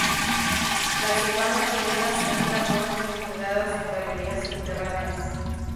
Las iguanas chilenas hembra ponen sus nidadas en galerías subterráneas.